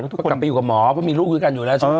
ก็กลับไปอยู่กับหมอก็มีลูกไว้กันอยู่แล้วสุดข้าง